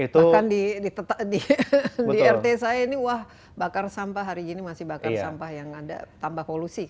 bahkan di rt saya ini wah bakar sampah hari ini masih bakar sampah yang ada tambah polusi